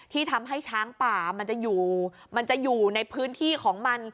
ที่ทำให้ช้างป่ามันจะอยู่มันจะอยู่ในพื้นที่ของมัน